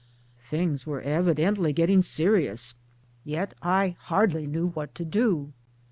Things were evidently getting serious ! Yet I hardly knew what to do.